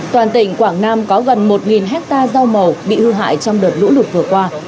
toàn tỉnh quảng nam có gần một hectare rau màu bị hư hại trong đợt lũ lụt vừa qua